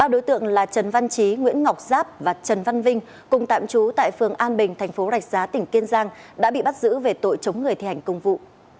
ba đối tượng là trần văn trí nguyễn ngọc giáp và trần văn vinh cùng tạm trú tại phường an bình thành phố rạch giá tỉnh kiên giang đã bị bắt giữ về tội chống người thi hành công vụ